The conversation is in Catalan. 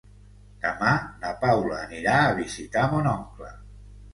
Demà na Paula anirà a visitar mon oncle.